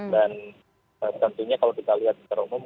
dan tentunya kalau kita lihat secara umum